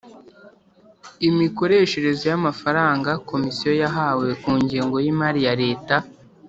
imikoreshereze y amafaranga komisiyo yahawe ku ngengo y imari ya leta